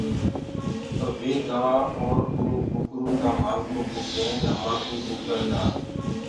تو وي گوآ اور اُرو ڪٚڪَرو ڪآ مآلکو ڪوُ ڪين همآ ڪوٚ ڪٚڪَر دآ۔